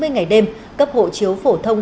chín mươi ngày đêm cấp hộ chiếu phổ thông